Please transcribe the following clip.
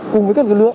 cùng với các lực lượng